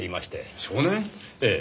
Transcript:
ええ。